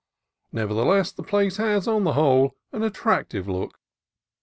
Nevertheless, the place has, on the whole, an attrac tive look.